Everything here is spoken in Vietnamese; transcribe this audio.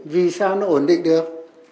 vì sao nó ổn định được